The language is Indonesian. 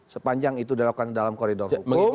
sepanjang itu dilakukan dalam koridor hukum